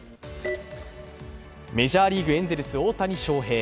メジャーリーグ、エンゼルス・大谷翔平。